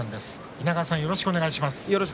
稲川さん、よろしくお願いします。